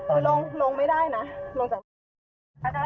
ลงลงไม่ได้นะลงจาก